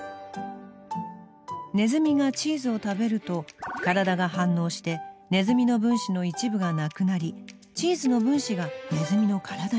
ネズミがチーズを食べると体が反応してネズミの分子の一部がなくなりチーズの分子がネズミの体になる。